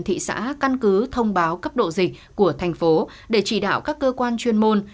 thị xã căn cứ thông báo cấp độ dịch của thành phố để chỉ đạo các cơ quan chuyên môn